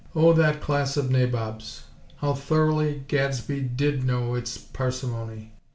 Oh, that class of nabobs! How thoroughly Gadsby did know its parsimony!!